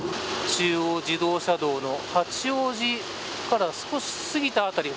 中央自動車道の八王子から少し過ぎた辺り。